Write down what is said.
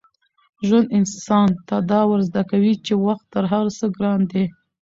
ژوند انسان ته دا ور زده کوي چي وخت تر هر څه ګران دی.